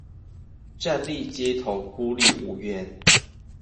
站立街頭孤立無援